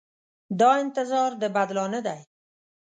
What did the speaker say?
دا انتظار د بدلانه دی.